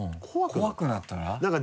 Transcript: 怖くなったら？